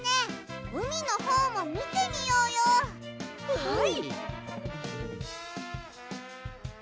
はい！